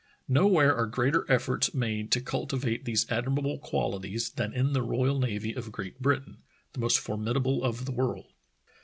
Nowhere are greater efforts made to cultivate these admirable qual ities than in the royal navy of Great Britain, the most formidable of the world.